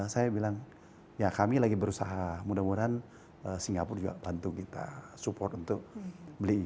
saya bilang ya kami lagi berusaha mudah mudahan singapura juga bantu kita support untuk beli